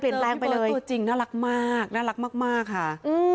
แรงไปเลยตัวจริงน่ารักมากน่ารักมากค่ะ